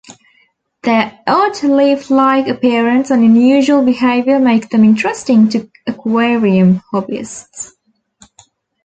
Their odd, leaf-like appearance and unusual behavior make them interesting to aquarium hobbyists.